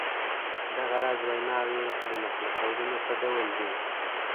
دغه راز ویناوی د نقل قولونو په ډول دي.